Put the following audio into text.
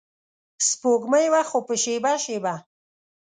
سپوږمۍ وه خو په شیبه شیبه